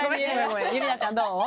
ゆりなちゃんどう？